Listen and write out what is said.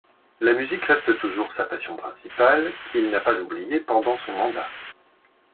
La musique reste toujours sa passion principale, qu'il n'a pas oublié pendant son mandat.